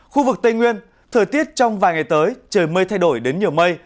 khu vực tây nguyên thời tiết trong vài ngày tới trời mây thay đổi đến nhiều mây